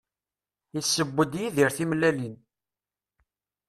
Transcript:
Yesseww-d Yidir timellalin.